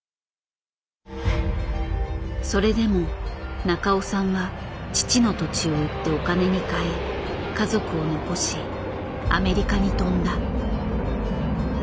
それでも中尾さんは父の土地を売ってお金に換え家族を残しアメリカに飛んだ。